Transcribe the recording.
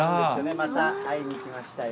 また会いに来ましたよ。